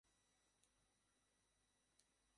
ওহ, এক বন্ধুর সাথে ডিনার রয়েছে।